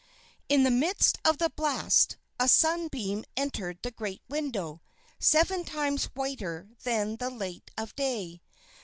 In the midst of the blast a sunbeam entered the great window, seven times whiter than the light of day.